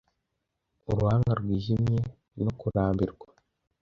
uruhanga rwijimye no kurambirwa